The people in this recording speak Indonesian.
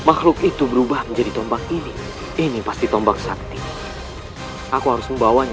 makhluk itu berubah menjadi tombak ini ini pasti tombak sakti aku harus membawanya